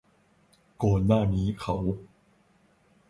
ก่อนหน้านี้เขา